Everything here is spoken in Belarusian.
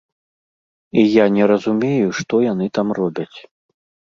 І я не разумею, што яны там робяць.